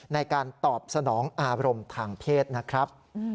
ในการตอบสนองอารมณ์ทางเพศนะครับ